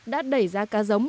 đã đẩy giá cá giống